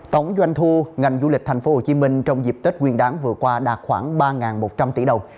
tổng doanh thu ngành du lịch tp hcm trong dịp tết nguyên đáng vừa qua đạt khoảng ba một trăm linh tỷ đồng